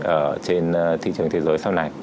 ở trên thị trường thế giới sau này